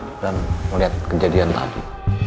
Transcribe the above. yaudah kebetulan searah dan melihat kejadian tadi